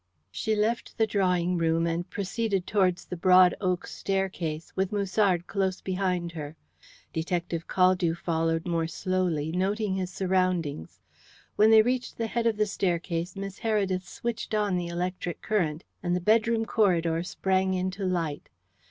She left the drawing room and proceeded towards the broad oak staircase, with Musard close behind her. Detective Caldew followed more slowly, noting his surroundings. When they reached the head of the staircase Miss Heredith switched on the electric current, and the bedroom corridor sprang into light.